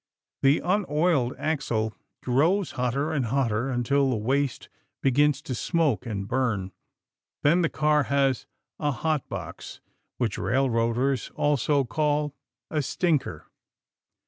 The unoiled axle grows hotter and hotter until the waste begins to smoke and burn. Then the car has a hot box, which railroaders also call a stinker.